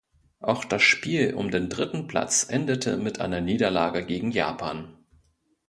Auch das Spiel um den dritten Platz endete mit einer Niederlage gegen Japan.